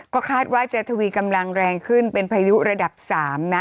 ก็คาดว่าจะทวีกำลังแรงขึ้นเป็นพายุระดับ๓นะ